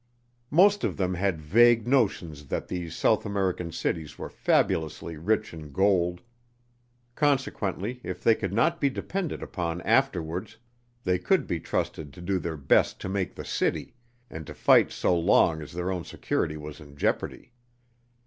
Most of them had vague notions that these South American cities were fabulously rich in gold. Consequently, if they could not be depended upon afterwards, they could be trusted to do their best to make the city, and to fight so long as their own security was in jeopardy.